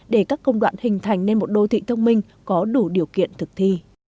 để các công đoạn hình thành nên một đô thị thông minh có đủ điều kiện thực thi